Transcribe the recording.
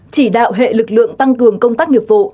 chỉ đạo hệ lực lượng tăng cường công tác nghiệp vụ